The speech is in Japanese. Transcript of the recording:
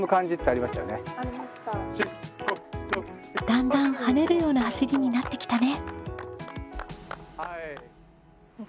だんだん跳ねるような走りになってきたね。